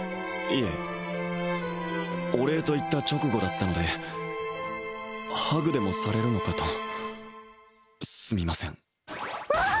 いえお礼と言った直後だったのでハグでもされるのかとすみませんんあっ！？